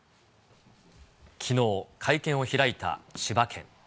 きのう、会見を開いた千葉県。